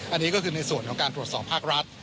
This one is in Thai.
อันนี้ก็คือในส่วนของการตรวจสอบภาครัฐ